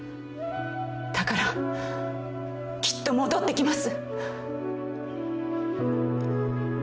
だからきっと戻ってきます。